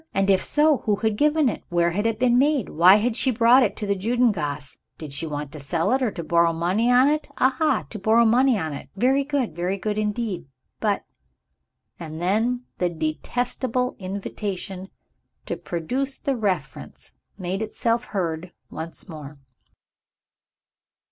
and, if so, who had given it? Where had it been made? Why had she brought it to the Judengasse? Did she want to sell it? or to borrow money on it? Aha! To borrow money on it. Very good, very good indeed; but and then the detestable invitation to produce the reference made itself heard once more.